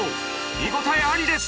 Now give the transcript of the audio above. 見応えありです！